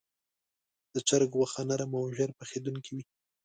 د چرګ غوښه نرم او ژر پخېدونکې وي.